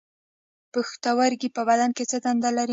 پښتورګي په بدن کې څه دنده لري